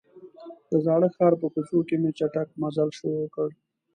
د زاړه ښار په کوڅو کې مې چټک مزل شروع کړ.